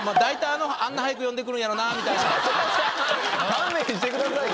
勘弁してくださいよ。